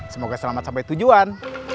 semoga selamat sampai tujuan